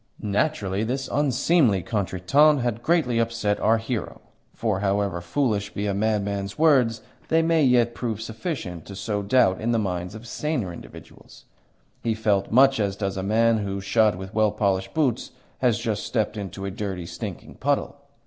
Naturally this unseemly contretemps had greatly upset our hero; for, however foolish be a madman's words, they may yet prove sufficient to sow doubt in the minds of saner individuals. He felt much as does a man who, shod with well polished boots, has just stepped into a dirty, stinking puddle.